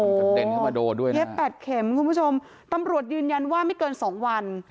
มันกระเด็นเข้ามาโดนด้วยนะเย็บแปดเข็มคุณผู้ชมตำรวจยืนยันว่าไม่เกินสองวัน